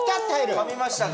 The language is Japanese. かみましたか。